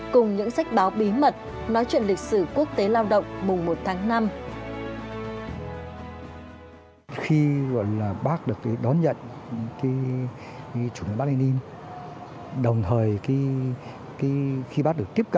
cùng những sách báo bí mật nói chuyện lịch sử quốc tế lao động mùng một tháng năm